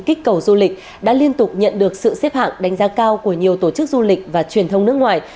kích cầu du lịch đã liên tục nhận được sự xếp hạng đánh giá cao của nhiều tổ chức du lịch và truyền thông nước ngoài